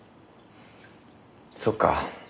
そっか。